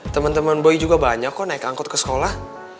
temen temen boy juga banyak kok naik angkot ke sekolah